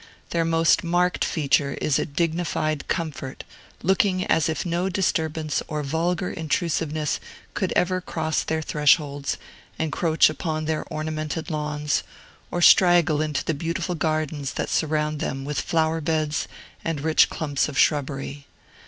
Their most marked feature is a dignified comfort, looking as if no disturbance or vulgar intrusiveness could ever cross their thresholds, encroach upon their ornamented lawns, or straggle into the beautiful gardens that surround them with flower beds and rich clumps of shrubbery.